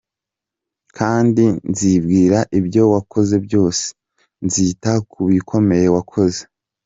Kandi nzibwira ibyo wakoze byose, Nzita ku bikomeye wakoze.